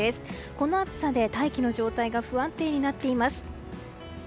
この暑さで大気の状態が不安定になっています。